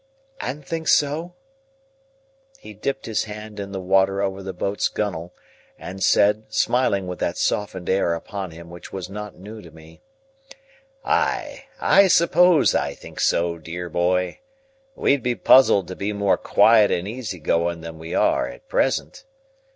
"And think so?" He dipped his hand in the water over the boat's gunwale, and said, smiling with that softened air upon him which was not new to me:— "Ay, I s'pose I think so, dear boy. We'd be puzzled to be more quiet and easy going than we are at present.